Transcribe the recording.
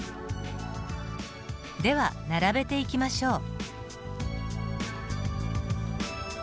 では並べていきましょう。